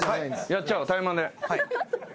やっちゃおうタイマンで。